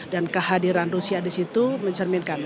dan kehadiran rusia di situ mencerminkan